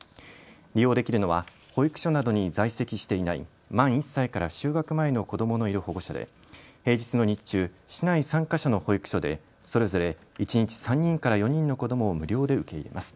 利用できるのは保育所などに在籍していない満１歳から就学前の子どものいる保護者で平日の日中市内３か所の保育所でそれぞれ一日３人から４人の子どもを無料で受け入れます。